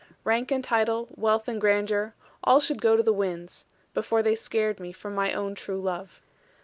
Rank and title, wealth and grandeur, all should go to the winds, before they scared me from my own true love.